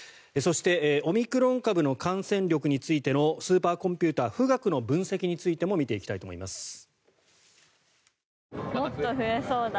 そして、オミクロン株の感染力についてのスーパーコンピューター、富岳の分析についても見ていきたいと思います。